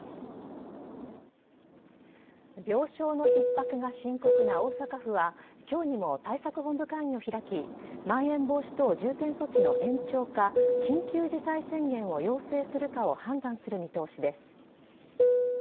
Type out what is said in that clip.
病床のひっ迫が深刻な大阪府はきょうにも対策本部会議を開き、まん延防止等重点措置の延長か緊急事態宣言を要請するかを判断する見通しです。